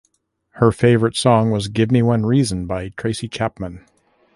Her favourite song was "Give Me One Reason" by Tracy Chapman.